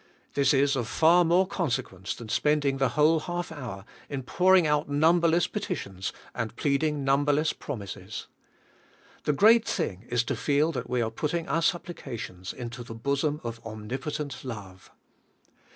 This is of far more consequence than spending the whole half hour in pouring out numberless pe titions, and pleading numberless promises. The great thing is to feel that we are putting our sup plications into the bosom of omnipotent Love.